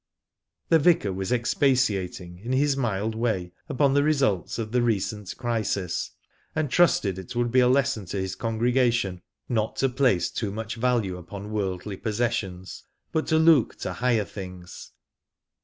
The vicar was expatiating, in his mild way, upon the fesnlts of the recent crisis, and trusted it would be a lesson to his congregation not to place too much vklue iipoh worldly possessions, but to look to higher things.